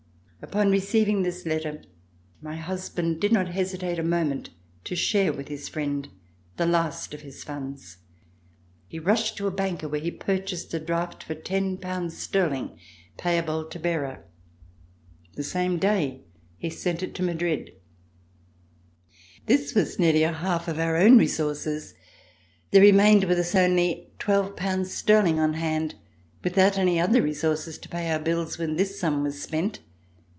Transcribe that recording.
Upon receiving this letter, my husband did not hesitate a moment to share with his friend the last of his funds. He rushed to a banker where he purchased a draft for ten pounds sterling, payable to bearer. The same day he sent it to Madrid. This LIFE AT RICHMOND was nearly a half of our own resources. There re mained with us only twelve pounds sterling on hand, without any other resources to pay our bills when this sum was spent.